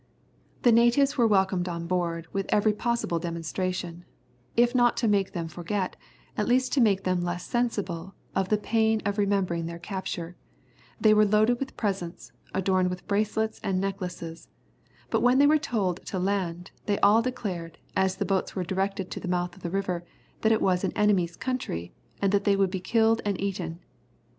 The natives were welcomed on board, with every possible demonstration, if not to make them forget, at least to make them less sensible of the pain of remembering their capture, they were loaded with presents, adorned with bracelets and necklaces, but when they were told to land, they all declared, as the boats were directed to the mouth of the river, that it was an enemy's country, and that they would be killed and eaten.